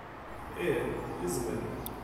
Ih, yezmer.